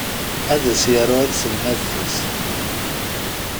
Ad as-yaru i tselmadt-is.